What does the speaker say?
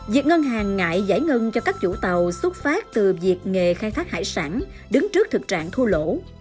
việc ngân hàng ngại giải ngân cho các chủ tàu xuất phát từ việc nghề khai thác hải sản đứng trước thực trạng thua lỗ